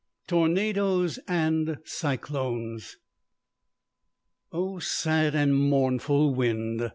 TORNADOES AND CYCLONES. "O sad and mournful wind!